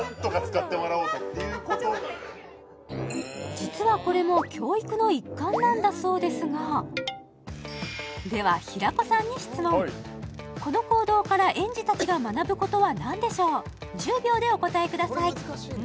実はこれも教育の一環なんだそうですがでは平子さんに質問この行動から園児たちが学ぶことは何でしょう１０秒でお答えください